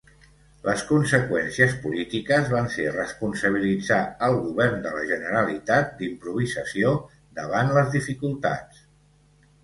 Les conseqüències polítiques van ser responsabilitzar al govern de la Generalitat d'improvisació davant les dificultats.